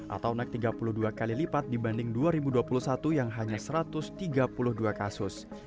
atau naik tiga puluh dua kali lipat dibanding dua ribu dua puluh satu yang hanya satu ratus tiga puluh dua kasus